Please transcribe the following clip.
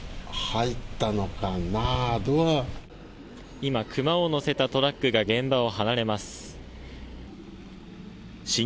今クマを乗せたトラックが現場を離れます。